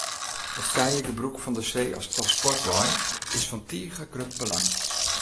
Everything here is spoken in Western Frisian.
It frije gebrûk fan de see as transportwei is fan tige grut belang.